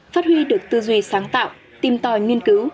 phát huy được tư duy sáng tạo tìm tòi nghiên cứu